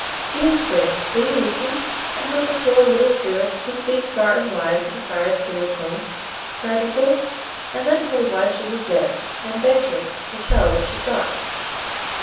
"Dear Spring, will you listen, and help a poor little Spirit, who seeks far and wide for the Fire Spirits' home?" cried Ripple; and then told why she was there, and begged her to tell what she sought.